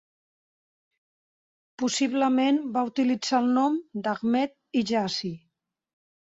Possiblement va utilitzar el nom d'"Ahmed Hijazi".